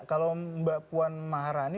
kalau mbak puan maharani